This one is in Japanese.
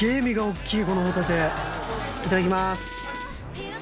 いただきます。